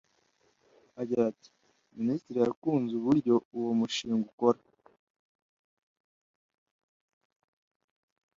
Agira ati “Minisitiri yakunze uburyo uwo mushinga ukora